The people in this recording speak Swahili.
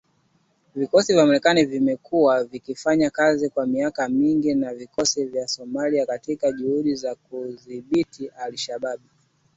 Vikosi vya Marekani vimekuwa vikifanya kazi kwa miaka mingi na vikosi vya Somalia katika juhudi zao za kuwadhibiti al-Shabaab